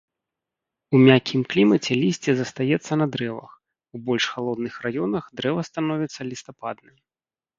У мяккім клімаце лісце застаецца на дрэвах, у больш халодных раёнах дрэва становіцца лістападным.